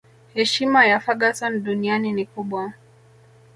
heshima ya Ferguson duniani ni kubwa